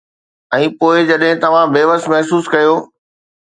۽ پوءِ جڏهن توهان بيوس محسوس ڪيو.